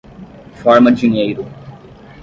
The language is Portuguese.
Forma-dinheiro